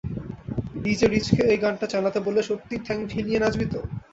DJ রিচকে ঐ গানটা চালাতে বললে, সত্যিই ঠ্যাং হিলিয়ে নাচবি তো?